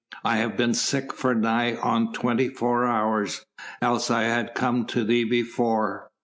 "I have been sick for nigh on twenty four hours, else I had come to thee before.